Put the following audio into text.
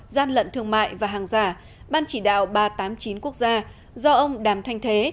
gian lận thương mại và hàng giả ban chỉ đạo ba trăm tám mươi chín quốc gia do ông đàm thanh thế